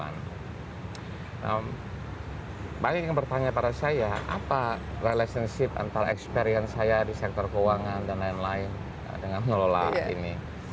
nah banyak yang bertanya pada saya apa relationship antara experience saya di sektor keuangan dan lain lain dengan mengelola ini